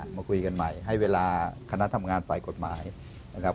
มาคุยกันใหม่ให้เวลาคณะทำงานฝ่ายกฎหมายนะครับ